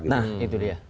nah itu dia